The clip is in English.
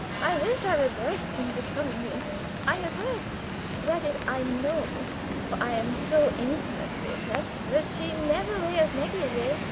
I wish I were dressed more becomingly. I have heard that is, I know, for I am so intimate with her that she never wears négligé.